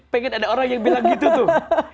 pengen ada orang yang bilang gitu tuh